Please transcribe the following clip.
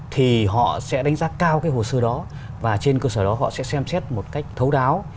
thì họ sẽ đánh giá cao cái hồ sơ đó và trên cơ sở đó họ sẽ xem xét một cách thấu đáo